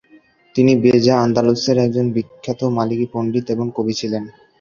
তিনি বেজা, আন্দালুসের একজন বিখ্যাত মালিকি পণ্ডিত এবং কবি ছিলেন।